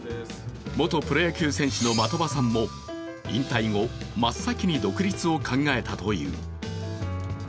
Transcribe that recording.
元プロ野球選手の的場さんも引退後、真っ先に独立を考えたという。